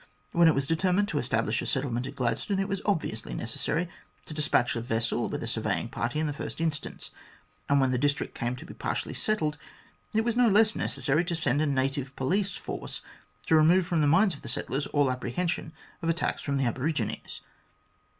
When it was determined to establish a settlement at Gladstone, it was obviously necessary to despatch a vessel with a surveying party in the first instance, and when the district came to be partially settled, it was no less necessary to send a native police force to remove from the minds of the settlers all apprehension of attacks from the aborigines.